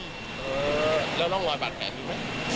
เออแล้วน้องรอยบาทแปดดูไหม